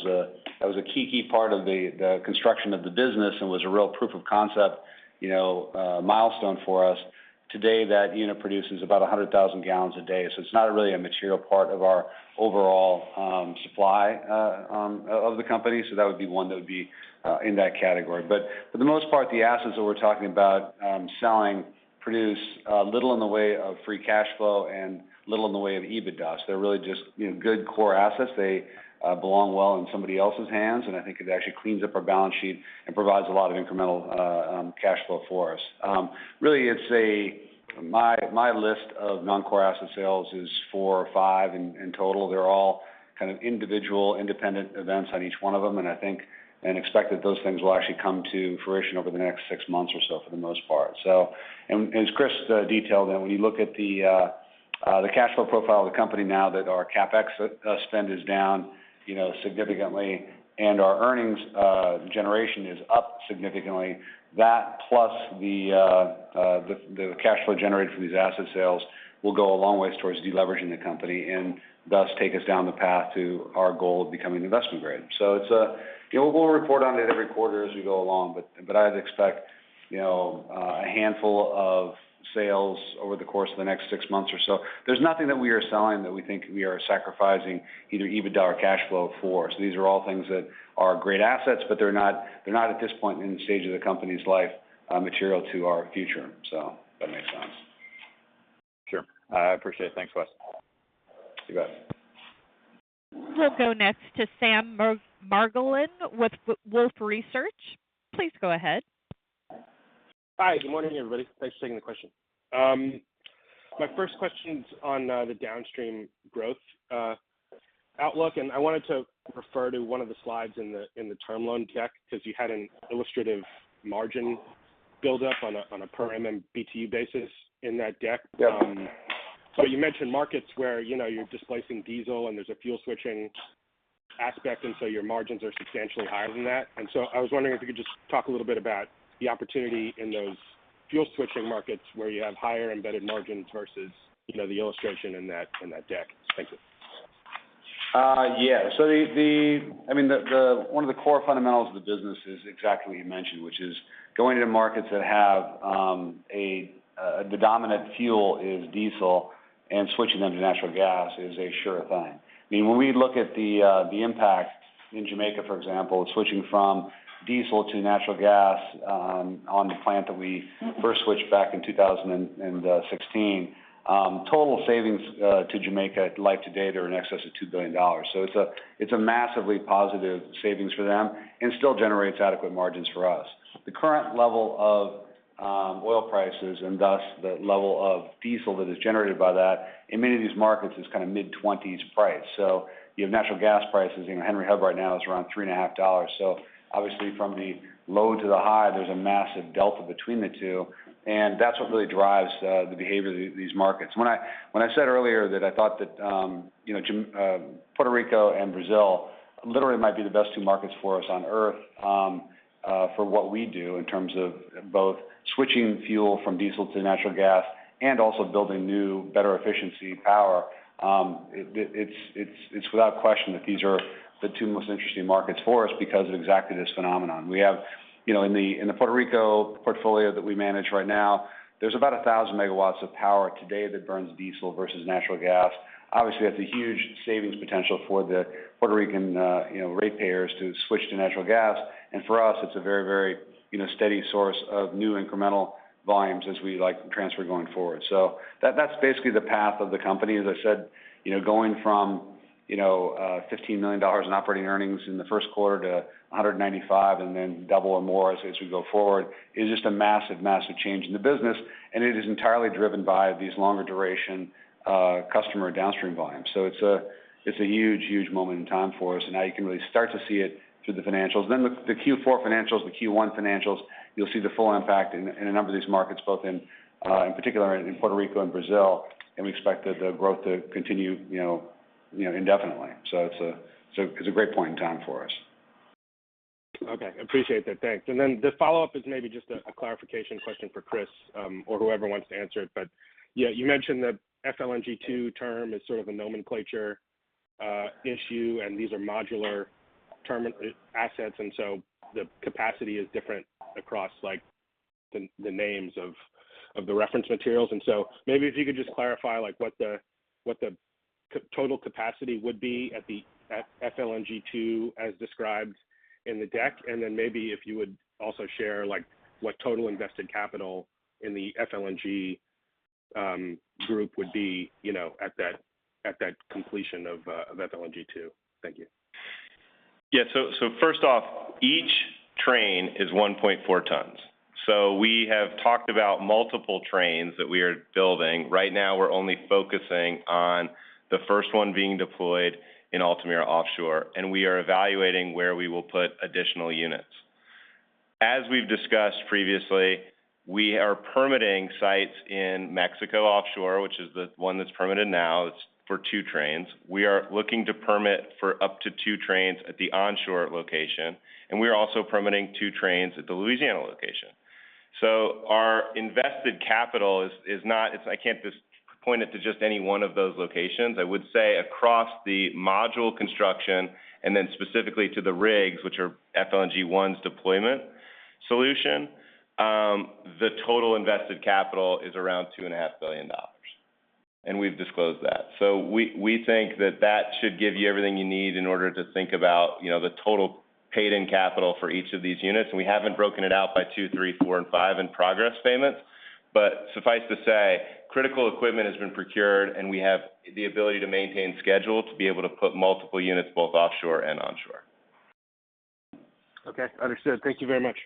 a key part of the construction of the business and was a real proof of concept, you know, milestone for us. Today, that unit produces about 100,000 gallons a day, so it's not really a material part of our overall supply of the company. So that would be one that would be in that category. But for the most part, the assets that we're talking about selling produce little in the way of free cash flow and little in the way of EBITDA. So they're really just, you know, good core assets. They belong well in somebody else's hands, and I think it actually cleans up our balance sheet and provides a lot of incremental cash flow for us. Really, it's my list of non-core asset sales is four or five in total. They're all kind of individual, independent events on each one of them, and I think and expect that those things will actually come to fruition over the next six months or so, for the most part. So, as Chris detailed, and when you look at the cash flow profile of the company, now that our CapEx spend is down, you know, significantly, and our earnings generation is up significantly, that plus the cash flow generated from these asset sales will go a long ways towards deleveraging the company and thus take us down the path to our goal of becoming Investment Grade. So it's a, you know, we'll report on it every quarter as we go along, but I'd expect, you know, a handful of sales over the course of the next six months or so. There's nothing that we are selling that we think we are sacrificing either EBITDA or cash flow for. So these are all things that are great assets, but they're not, they're not, at this point in the stage of the company's life, material to our future. So if that makes sense. Sure. I appreciate it. Thanks, Wes. You bet. We'll go next to Sam Margolin with Wolfe Research. Please go ahead. Hi, good morning, everybody. Thanks for taking the question. My first question is on the downstream growth outlook, and I wanted to refer to one of the slides in the term loan deck, because you had an illustrative margin build-up on a per MMBtu basis in that deck. Yep. So you mentioned markets where, you know, you're displacing diesel and there's a fuel switching aspect, and so your margins are substantially higher than that. And so I was wondering if you could just talk a little bit about the opportunity in those fuel switching markets, where you have higher embedded margins versus, you know, the illustration in that, in that deck. Thank you. Yeah. So I mean, one of the core fundamentals of the business is exactly what you mentioned, which is going into markets that have a dominant fuel that is diesel, and switching them to natural gas is a sure thing. I mean, when we look at the impact in Jamaica, for example, switching from diesel to natural gas, on the plant that we first switched back in 2016, total savings to Jamaica, life to date, are in excess of $2 billion. So it's a massively positive savings for them and still generates adequate margins for us. The current level of oil prices, and thus the level of diesel that is generated by that, in many of these markets, is kind of mid-20s price. So you have natural gas prices, you know, Henry Hub right now is around $3.5. So obviously, from the low to the high, there's a massive delta between the two, and that's what really drives the behavior of these markets. When I said earlier that I thought that, you know, Puerto Rico and Brazil literally might be the best two markets for us on Earth, for what we do in terms of both switching fuel from diesel to natural gas and also building new, better efficiency power, it's without question that these are the two most interesting markets for us because of exactly this phenomenon. We have, you know, in the Puerto Rico portfolio that we manage right now, there's about 1,000 megawatts of power today that burns diesel versus natural gas. Obviously, that's a huge savings potential for the Puerto Rican, you know, ratepayers to switch to natural gas. And for us, it's a very, very, you know, steady source of new incremental volumes as we like to transfer going forward. So that, that's basically the path of the company. As I said, you know, going from, you know, $15 million in operating earnings in the first quarter to $195 million, and then double or more as we go forward, is just a massive, massive change in the business, and it is entirely driven by these longer duration, customer downstream volumes. So it's a, it's a huge, huge moment in time for us, and now you can really start to see it through the financials. Then the Q4 financials, the Q1 financials, you'll see the full impact in a, in a number of these markets, both in particular in Puerto Rico and Brazil, and we expect the growth to continue, you know, you know, indefinitely. So it's a, it's a great point in time for us. Okay, appreciate that. Thanks. Then the follow-up is maybe just a clarification question for Chris, or whoever wants to answer it. But, yeah, you mentioned the FLNG-2 term is sort of a nomenclature issue, and these are modular term assets, and so the capacity is different across, like, the names of the reference materials. So maybe if you could just clarify, like, what the total capacity would be at the FLNG-2 as described in the deck, and then maybe if you would also share, like, what total invested capital in the FLNG group would be, you know, at that completion of FLNG-2. Thank you. Yeah. So, so first off, each train is 1.4 tons. So we have talked about multiple trains that we are building. Right now, we're only focusing on the first one being deployed in Altamira offshore, and we are evaluating where we will put additional units. As we've discussed previously, we are permitting sites in Mexico offshore, which is the one that's permitted now. It's for two trains. We are looking to permit for up to two trains at the onshore location, and we are also permitting two trains at the Louisiana location. So our invested capital is not. I can't just point it to just any one of those locations. I would say across the module construction, and then specifically to the rigs, which are FLNG 1's deployment solution, the total invested capital is around $2.5 billion, and we've disclosed that. So we think that that should give you everything you need in order to think about, you know, the total paid-in capital for each of these units. We haven't broken it out by two, three, four, and five in progress payments. Suffice to say, critical equipment has been procured, and we have the ability to maintain schedule to be able to put multiple units, both offshore and onshore. Okay, understood. Thank you very much.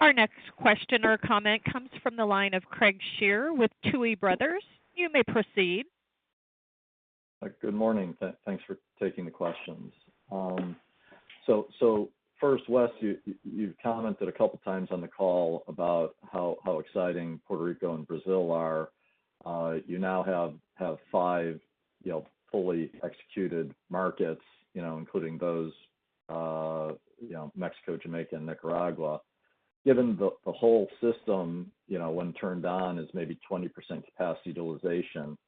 Our next question or comment comes from the line of Craig Shere with Tuohy Brothers. You may proceed. Good morning. Thanks for taking the questions. So first, Wes, you've commented a couple of times on the call about how exciting Puerto Rico and Brazil are. You now have five, you know, fully executed markets, you know, including those, you know, Mexico, Jamaica, and Nicaragua. Given the whole system, you know, when turned on, is maybe 20% capacity utilization,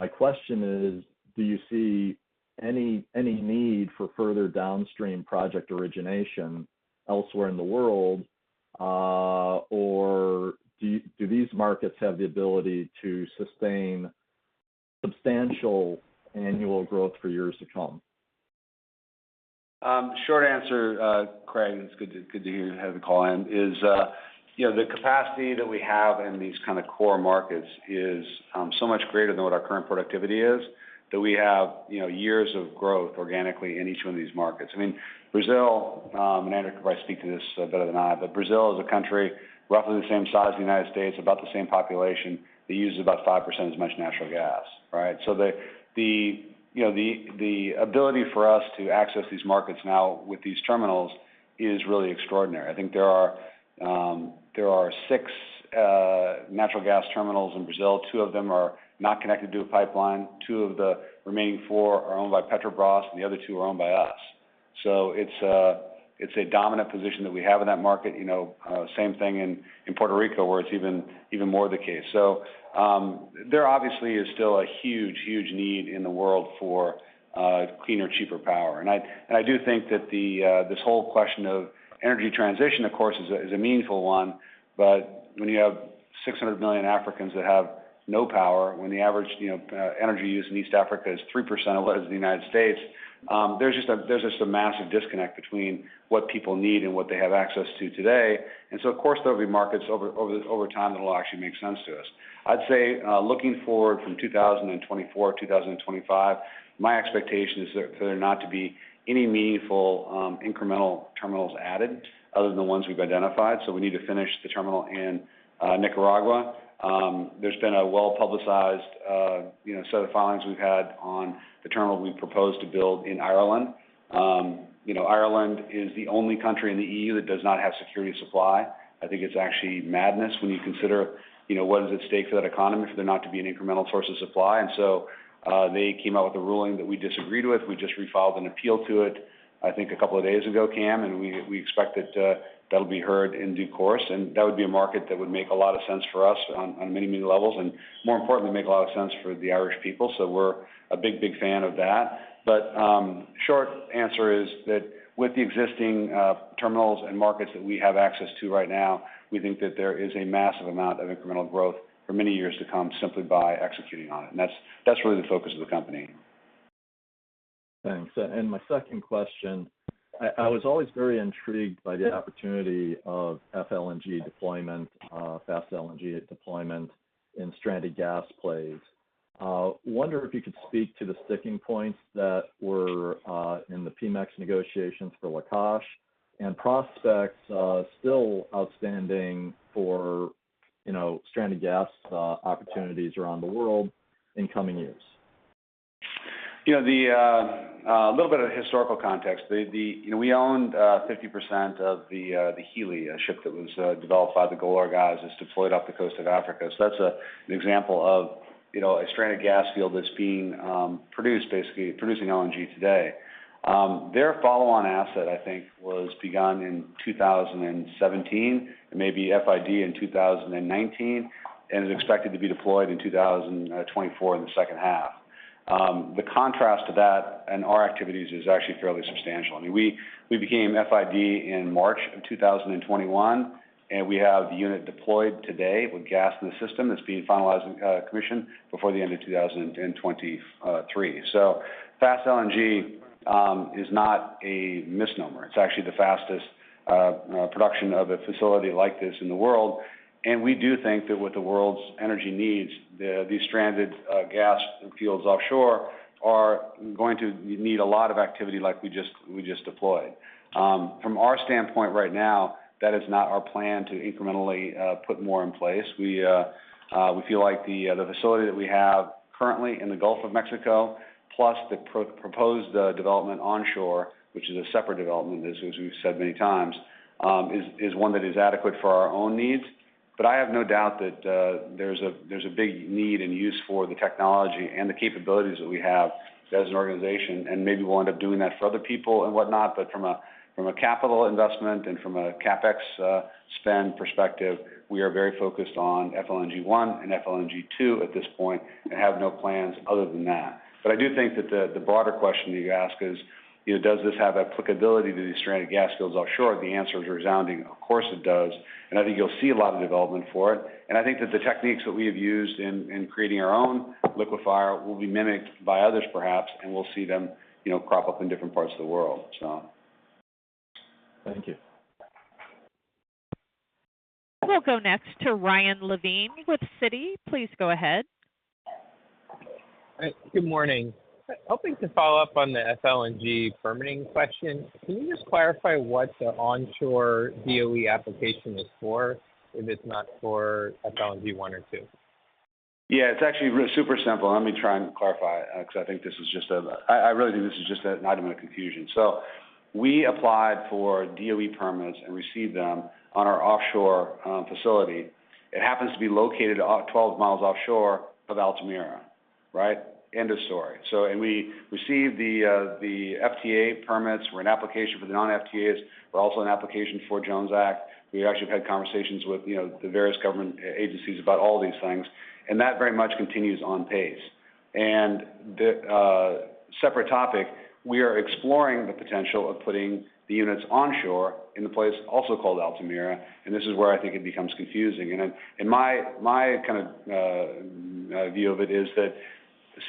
my question is: do you see any need for further downstream project origination elsewhere in the world, or do these markets have the ability to sustain substantial annual growth for years to come? Short answer, Craig, it's good to, good to hear you have the call in, is, you know, the capacity that we have in these kind of core markets is, so much greater than what our current productivity is, that we have, you know, years of growth organically in each one of these markets. I mean, Brazil, and Andrew could probably speak to this better than I, but Brazil is a country roughly the same size as the United States, about the same population. They use about 5% as much natural gas, right? So the, you know, the ability for us to access these markets now with these terminals is really extraordinary. I think there are, there are six natural gas terminals in Brazil. Two of them are not connected to a pipeline. Two of the remaining four are owned by Petrobras, and the other two are owned by us. So it's a dominant position that we have in that market. You know, same thing in Puerto Rico, where it's even more the case. So, there obviously is still a huge need in the world for cleaner, cheaper power. And I do think that this whole question of energy transition, of course, is a meaningful one, but when you have 600 million Africans that have no power, when the average, you know, energy use in East Africa is 3% of what is in the United States, there's just a massive disconnect between what people need and what they have access to today. Of course, there'll be markets over time that will actually make sense to us. I'd say, looking forward from 2024, 2025, my expectation is for there not to be any meaningful incremental terminals added other than the ones we've identified. So we need to finish the terminal in Nicaragua. There's been a well-publicized, you know, set of filings we've had on the terminal we've proposed to build in Ireland. You know, Ireland is the only country in the EU that does not have security of supply. I think it's actually madness when you consider, you know, what is at stake for that economy for there not to be an incremental source of supply. And so, they came out with a ruling that we disagreed with. We just refiled an appeal to it, I think a couple of days ago, Cam, and we, we expect that that'll be heard in due course. And that would be a market that would make a lot of sense for us on, on many, many levels, and more importantly, make a lot of sense for the Irish people. So we're a big, big fan of that. But short answer is that with the existing terminals and markets that we have access to right now, we think that there is a massive amount of incremental growth for many years to come, simply by executing on it. And that's, that's really the focus of the company. Thanks. And my second question: I was always very intrigued by the opportunity of FLNG deployment, Fast LNG deployment in stranded gas plays. Wonder if you could speak to the sticking points that were in the Pemex negotiations for Lakach, and prospects still outstanding for, you know, stranded gas opportunities around the world in coming years? You know, a little bit of historical context. The, you know, we owned 50% of the Healy ship that was developed by the Golar guys, is deployed off the coast of Africa. So that's an example of, you know, a stranded gas field that's being produced, basically producing LNG today. Their follow-on asset, I think, was begun in 2017, and maybe FID in 2019, and is expected to be deployed in 2024, in the second half. The contrast to that and our activities is actually fairly substantial. I mean, we, we became FID in March of 2021, and we have the unit deployed today with gas in the system. It's being finalized and commissioned before the end of 2023. So Fast LNG is not a misnomer. It's actually the fastest production of a facility like this in the world, and we do think that with the world's energy needs, the- these stranded gas fields offshore are going to need a lot of activity like we just, we just deployed. From our standpoint right now, that is not our plan to incrementally put more in place. We we feel like the the facility that we have currently in the Gulf of Mexico, plus the pro- proposed development onshore, which is a separate development, as as we've said many times, is one that is adequate for our own needs. But I have no doubt that, there's a, there's a big need and use for the technology and the capabilities that we have as an organization, and maybe we'll end up doing that for other people and whatnot. But from a, from a capital investment and from a CapEx spend perspective, we are very focused on FLNG 1 and FLNG 2 at this point, and have no plans other than that. But I do think that the, the broader question that you ask is, you know, does this have applicability to these stranded gas fields offshore? The answer is a resounding, of course, it does. I think you'll see a lot of development for it, and I think that the techniques that we have used in, in creating our own liquefier will be mimicked by others, perhaps, and we'll see them, you know, crop up in different parts of the world. So... Thank you. We'll go next to Ryan Levine with Citi. Please go ahead. Good morning. Hoping to follow up on the FLNG permitting question. Can you just clarify what the onshore DOE application is for, if it's not for FLNG one or two? Yeah, it's actually really super simple. Let me try and clarify it, because I think this is just a—I really think this is just an item of confusion. So we applied for DOE permits and received them on our offshore facility. It happens to be located off 12 miles offshore of Altamira, right? End of story. So, and we received the FTA permits. We're in application for the non-FTAs. We're also in application for Jones Act. We actually have had conversations with, you know, the various government agencies about all these things, and that very much continues on pace. And the separate topic, we are exploring the potential of putting the units onshore in a place also called Altamira, and this is where I think it becomes confusing. And then my kind of view of it is that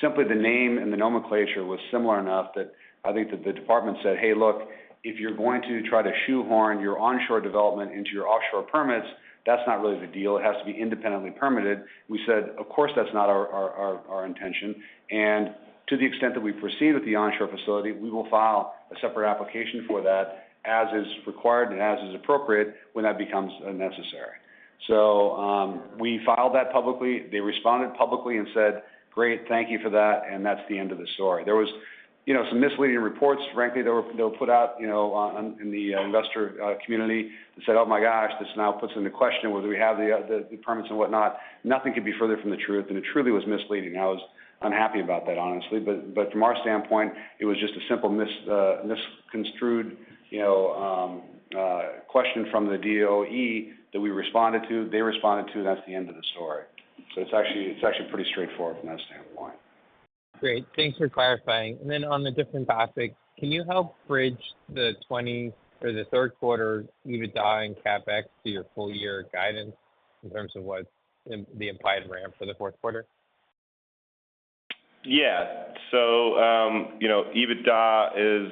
simply the name and the nomenclature was similar enough that I think that the department said, "Hey, look, if you're going to try to shoehorn your onshore development into your offshore permits, that's not really the deal. It has to be independently permitted." We said: Of course, that's not our intention, and to the extent that we proceed with the onshore facility, we will file a separate application for that, as is required and as is appropriate, when that becomes necessary. So, we filed that publicly. They responded publicly and said, "Great, thank you for that," and that's the end of the story. There was, you know, some misleading reports, frankly, that were put out, you know, on, in the investor community, and said, "Oh, my gosh, this now puts into question whether we have the permits or whatnot." Nothing could be further from the truth, and it truly was misleading. I was unhappy about that, honestly. But from our standpoint, it was just a simple misconstrued, you know, question from the DOE that we responded to, they responded to, and that's the end of the story. So it's actually pretty straightforward from that standpoint. Great. Thanks for clarifying. And then on a different topic, can you help bridge the third quarter EBITDA and CapEx to your full-year guidance in terms of what in the implied ramp for the fourth quarter? Yeah. So, you know, EBITDA is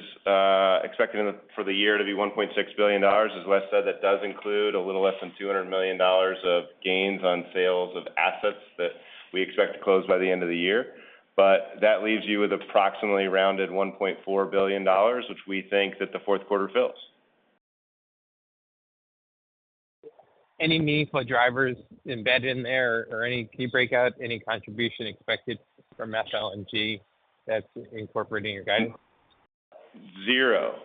expected in the—for the year to be $1.6 billion. As Wes said, that does include a little less than $200 million of gains on sales of assets that we expect to close by the end of the year. But that leaves you with approximately rounded $1.4 billion, which we think that the fourth quarter fills.... Any meaningful drivers embedded in there or any key breakout, any contribution expected from FLNG that's incorporating your guidance? 0.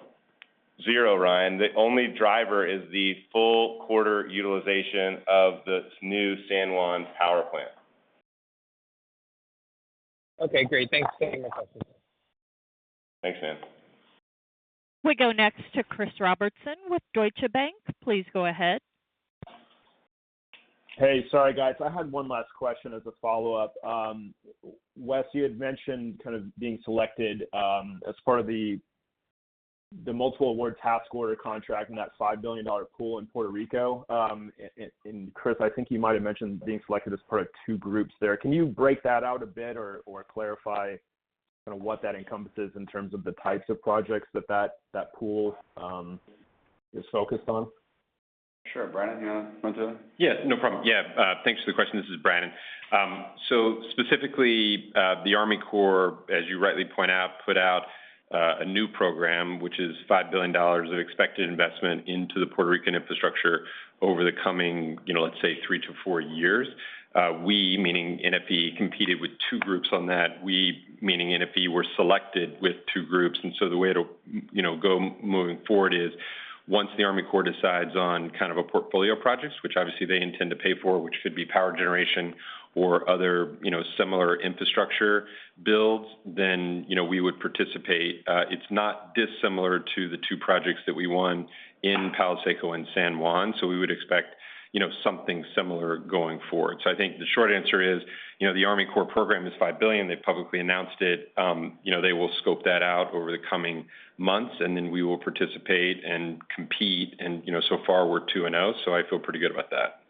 0, Ryan. The only driver is the full quarter utilization of the new San Juan power plant. Okay, great. Thanks for taking my question. Thanks, man. We go next to Chris Robertson with Deutsche Bank. Please go ahead. Hey, sorry, guys. I had one last question as a follow-up. Wes, you had mentioned kind of being selected as part of the multiple award task order contract and that $5 billion pool in Puerto Rico. Chris, I think you might have mentioned being selected as part of two groups there. Can you break that out a bit or clarify kind of what that encompasses in terms of the types of projects that pool is focused on? Sure. Brannen, you want to? Yes, no problem. Yeah, thanks for the question. This is Brannen. So specifically, the Army Corps, as you rightly point out, put out a new program, which is $5 billion of expected investment into the Puerto Rican infrastructure over the coming, you know, let's say, 3-4 years. We, meaning NFE, competed with two groups on that. We, meaning NFE, were selected with two groups, and so the way it'll, you know, go moving forward is once the Army Corps decides on kind of a portfolio of projects, which obviously they intend to pay for, which could be power generation or other, you know, similar infrastructure builds, then, you know, we would participate. It's not dissimilar to the two projects that we won in Palo Seco and San Juan, so we would expect, you know, something similar going forward. So I think the short answer is, you know, the Army Corps program is $5 billion. They've publicly announced it. You know, they will scope that out over the coming months, and then we will participate and compete. And, you know, so far, we're 2-0, so I feel pretty good about that.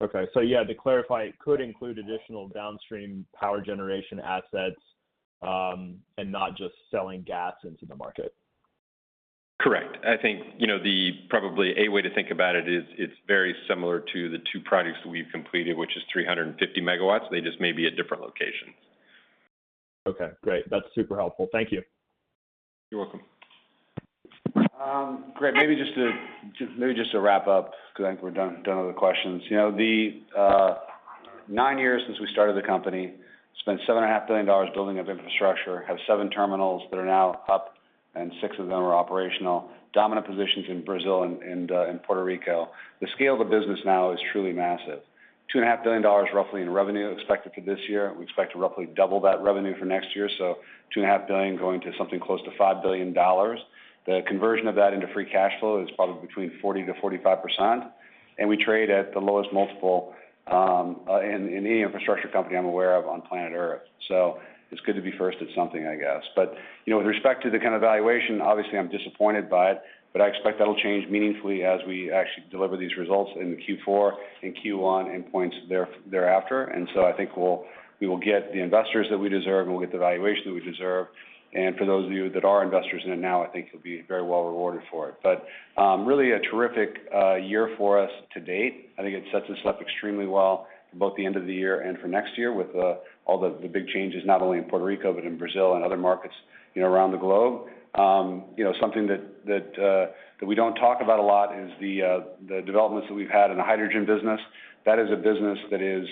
Okay. So yeah, to clarify, it could include additional downstream power generation assets, and not just selling gas into the market? Correct. I think, you know, the probably a way to think about it is it's very similar to the two projects that we've completed, which is 350 MW. They just may be at different locations. Okay, great. That's super helpful. Thank you. You're welcome. Great. Maybe just to wrap up, because I think we're done with the questions. You know, the 9 years since we started the company, spent $7.5 billion building up infrastructure, have 7 terminals that are now up, and 6 of them are operational, dominant positions in Brazil and in Puerto Rico. The scale of the business now is truly massive. $2.5 billion, roughly, in revenue expected for this year. We expect to roughly double that revenue for next year, so $2.5 billion going to something close to $5 billion. The conversion of that into free cash flow is probably between 40%-45%, and we trade at the lowest multiple in any infrastructure company I'm aware of on planet Earth. So it's good to be first at something, I guess. But, you know, with respect to the kind of valuation, obviously, I'm disappointed by it, but I expect that'll change meaningfully as we actually deliver these results in Q4 and Q1 and points thereafter. And so I think we will get the investors that we deserve, and we'll get the valuation that we deserve. And for those of you that are investors in it now, I think you'll be very well rewarded for it. But, really a terrific year for us to date. I think it sets us up extremely well for both the end of the year and for next year, with all the big changes, not only in Puerto Rico, but in Brazil and other markets, you know, around the globe. You know, something that we don't talk about a lot is the developments that we've had in the hydrogen business. That is a business that is,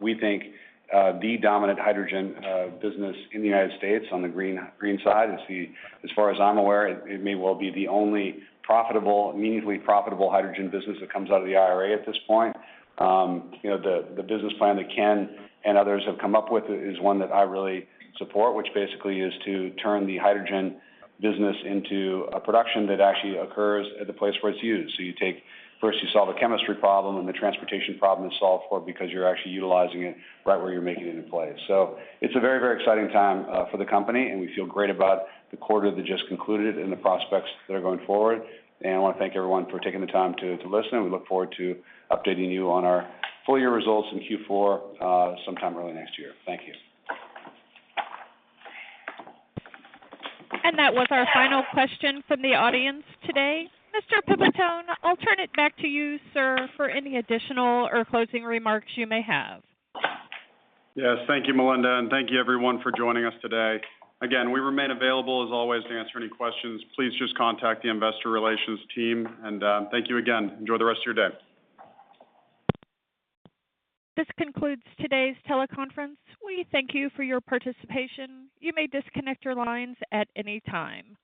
we think, the dominant hydrogen business in the United States on the green side. It's the - as far as I'm aware, it may well be the only profitable, meaningfully profitable hydrogen business that comes out of the IRA at this point. You know, the business plan that Ken and others have come up with is one that I really support, which basically is to turn the hydrogen business into a production that actually occurs at the place where it's used. So you take - first, you solve a chemistry problem, and the transportation problem is solved for because you're actually utilizing it right where you're making it in place. So it's a very, very exciting time for the company, and we feel great about the quarter that just concluded and the prospects that are going forward. And I want to thank everyone for taking the time to listen, and we look forward to updating you on our full year results in Q4 sometime early next year. Thank you. That was our final question from the audience today. Mr. Pipitone, I'll turn it back to you, sir, for any additional or closing remarks you may have. Yes. Thank you, Melinda, and thank you, everyone, for joining us today. Again, we remain available, as always, to answer any questions. Please just contact the investor relations team, and thank you again. Enjoy the rest of your day. This concludes today's teleconference. We thank you for your participation. You may disconnect your lines at any time.